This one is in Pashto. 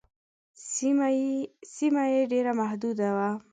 سیمه یې ډېره محدوده وه.